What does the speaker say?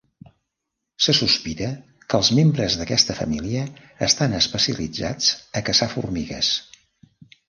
Se sospita que els membres d'aquesta família estan especialitzats a caçar formigues.